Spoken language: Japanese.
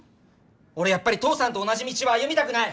俺やっぱり父さんと同じ道は歩みたくない！